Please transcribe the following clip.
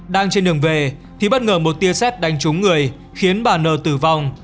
đang trên đường về thì bất ngờ một tia xét đánh trúng người khiến bà n tử vong